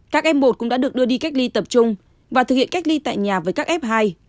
các em một cũng đã được đưa đi cách ly tập trung và thực hiện cách ly tại nhà với các f hai